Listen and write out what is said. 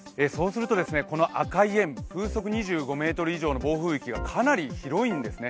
この赤い円、風速２５メートル以上の暴風域がかなり大きいんですね。